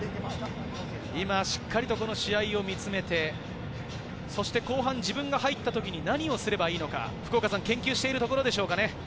今しっかりと試合を見つめて、後半、自分が入ったときに何をすればいいのか研究しているところでしょうかね。